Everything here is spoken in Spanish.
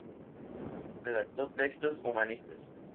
Redactó textos humanistas.